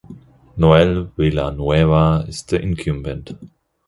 Noel Villanueva is the incumbent.